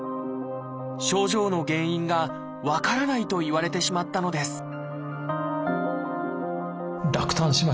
「症状の原因が分からない」と言われてしまったのです